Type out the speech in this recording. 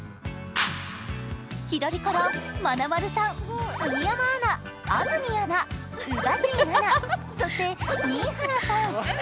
左からまなまるさん、杉山アナ、安住アナ、宇賀神アナ、そして新原さん。